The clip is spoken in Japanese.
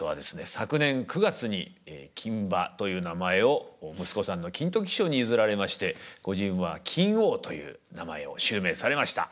昨年９月に金馬という名前を息子さんの金時師匠に譲られましてご自分は金扇という名前を襲名されました。